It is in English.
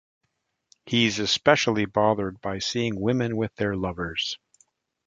He's especially bothered by seeing women with their lovers.